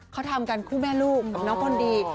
เขาทำกันคู่แม่ลูกกับน้องคนดี